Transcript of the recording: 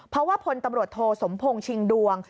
เพราะว่าพลตำรวจโทสมพงศ์ชิงดวง